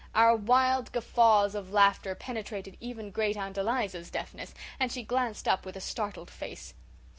Our wild guffaws of laughter penetrated even Great aunt Eliza's deafness, and she glanced up with a startled face.